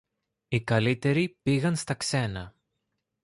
οι καλύτεροι πήγαν στα ξένα